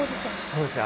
そうですね